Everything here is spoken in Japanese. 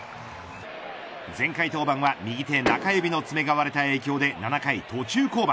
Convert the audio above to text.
前回登板は右手中指の爪が割れた影響で７回、途中降板。